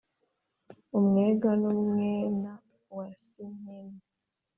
umwega w’umwena wa sinkennye